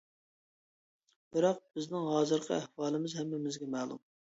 بىراق. بىزنىڭ ھازىرقى ئەھۋالىمىز ھەممىمىزگە مەلۇم.